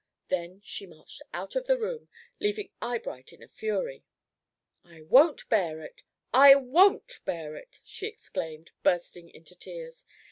Then she marched out of the room, leaving Eyebright in a fury. "I won't bear it! I won't bear it!" she exclaimed, bursting into tears.